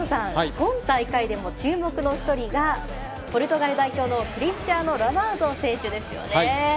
今大会でも注目の１人がポルトガル代表のクリスチアーノ・ロナウド選手ですよね。